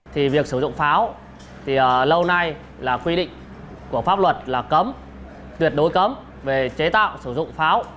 thì việc sử dụng pháo thì lâu nay là quy định của pháp luật là cấm tuyệt đối cấm về chế tạo sử dụng pháo